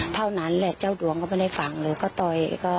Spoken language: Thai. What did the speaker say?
เท่านั้นแหละเจ้าดวงก็ไม่ได้ฟังเลย